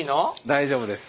大丈夫です。